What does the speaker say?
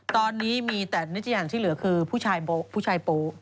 ตอนนี้มีแต่นิจจัยนที่เหลือคือผู้ชายโป๊ะผู้ชายโป๊ะ